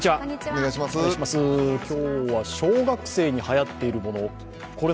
今日は小学生にはやっているもの。